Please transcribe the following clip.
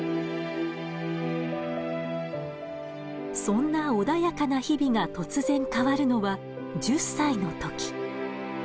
そんな穏やかな日々が突然変わるのは１０歳の時。